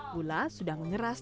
gula sudah mengeras